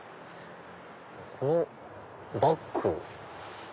このバッグ。